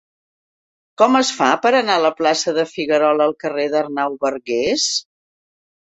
Com es fa per anar de la plaça de Figuerola al carrer d'Arnau Bargués?